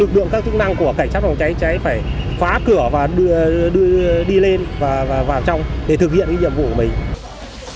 lực lượng các chức năng của cảnh sát phòng cháy cháy phải phá cửa và đưa đi lên và vào trong để thực hiện nhiệm vụ của mình